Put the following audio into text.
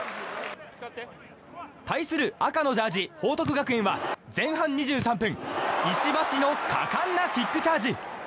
対する赤のジャージー報徳学園は前半２３分石橋の果敢なキックチャージ！